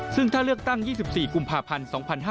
ซึ่งถ้าเลือกตั้ง๒๔กุมภาพันธ์๒๕๕๙